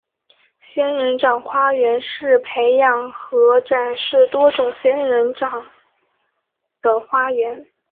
仙人掌花园是培养和展示多种类型仙人掌的花园。